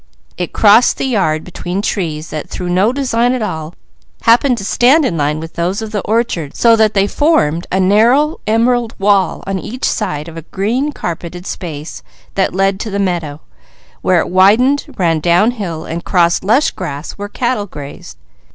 It crossed the yard between trees that through no design at all happened to stand in line with those of the orchard so that they formed a narrow emerald wall on each side of a green carpeted space that led to the meadow, where it widened, ran down hill and crossed lush grass where cattle grazed.